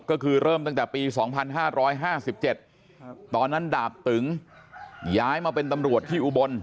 ก็คือเริ่มตั้งแต่ปี๒๕๕๗ตอนนั้นดาบตึงย้ายมาเป็นตำรวจที่อุบล